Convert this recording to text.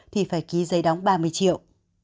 thì phải ký giấy đóng ba mươi triệu